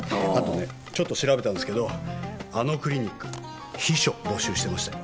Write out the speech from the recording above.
後ねちょっと調べたんですけどあのクリニック秘書募集してましたよ。